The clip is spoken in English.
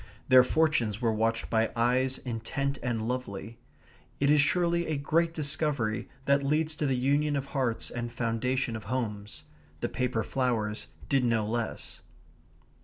Their fortunes were watched by eyes intent and lovely. It is surely a great discovery that leads to the union of hearts and foundation of homes. The paper flowers did no less.